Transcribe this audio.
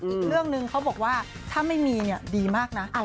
อีกเรื่องนึงเขาบอกว่าถ้าไม่มีเนี่ยดีมากนะ